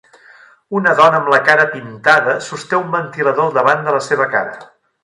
Una dona amb la cara pintada sosté un ventilador al davant de la seva cara.